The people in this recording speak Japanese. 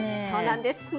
そうなんです。